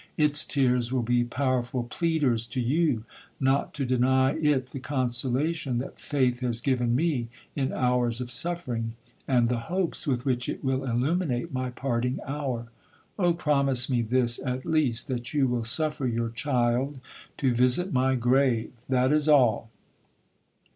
Its tears will be powerful pleaders to you not to deny it the consolation that faith has given me in hours of suffering, and the hopes with which it will illuminate my parting hour. Oh promise me this at least, that you will suffer your child to visit my grave—that is all.